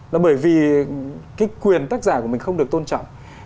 là bởi vì cái quyền tác giả của mình không được tôn trọng